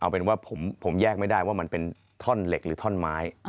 เอาเป็นว่าผมแยกไม่ได้ว่ามันเป็นท่อนเหล็กหรือท่อนไม้